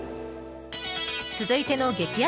続いての激安